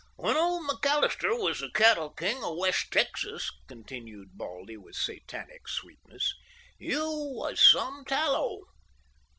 "When old McAllister was the cattle king of West Texas," continued Baldy with Satanic sweetness, "you was some tallow.